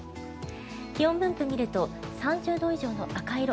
気温分布を見ると３０度以上の赤色